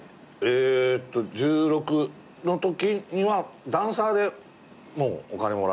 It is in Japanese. えっと１６のときにはダンサーでお金をもらってた。